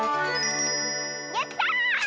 やった！